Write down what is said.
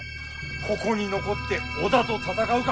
ここに残って織田と戦うか